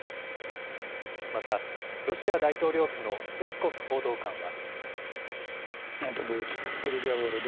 また、ロシア大統領府のペスコフ報道官は。